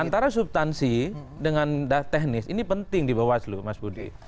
antara subtansi dengan teknis ini penting di bawaslu mas budi